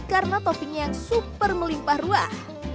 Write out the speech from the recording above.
karena toppingnya yang super melimpah ruah